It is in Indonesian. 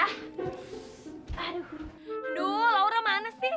aduh laura mana sih